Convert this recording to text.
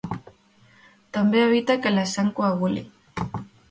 També evita que la sang coaguli.